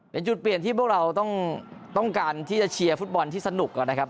เป็นจุดเปลี่ยนที่พวกเราต้องการที่จะเชียร์ฟุตบอลที่สนุกนะครับ